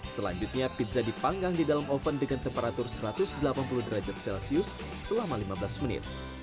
selanjutnya pizza dipanggang di dalam oven dengan temperatur satu ratus delapan puluh derajat celcius selama lima belas menit